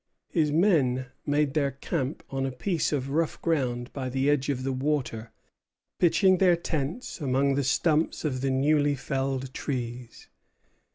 His men made their camp on a piece of rough ground by the edge of the water, pitching their tents among the stumps of the newly felled trees.